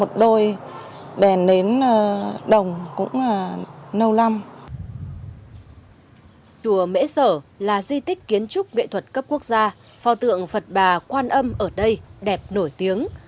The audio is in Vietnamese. trong các quốc gia phò tượng phật bà quan âm ở đây đẹp nổi tiếng